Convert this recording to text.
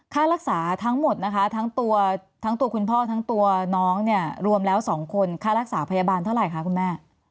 ค่ารักษาทั้งหมดนะคะทั้งตัวทั้งตัวคุณพ่อทั้งตัวน้องเนี่ยรวมแล้ว๒คนค่ารักษาพยาบาลเท่าไหร่คะคุณแม่